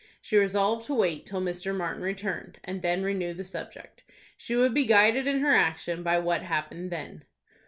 She resolved to wait till Mr. Martin returned, and then renew the subject. She would be guided in her action by what happened then.